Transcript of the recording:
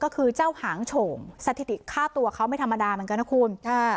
ก็คือเจ้าหางโฉงสถิติฆ่าตัวเขาไม่ธรรมดาเหมือนกันนะคุณค่ะ